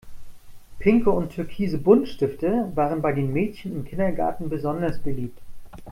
Pinke und türkise Buntstifte waren bei den Mädchen im Kindergarten besonders beliebt.